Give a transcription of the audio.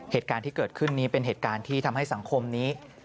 เหตุการณ์ที่เกิดขึ้นนี้เป็นเหตุการณ์ที่ทำให้สังคมนี้